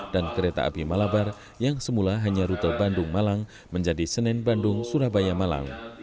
dan kereta api malabar yang semula hanya rute bandung malang menjadi senen bandung surabaya malang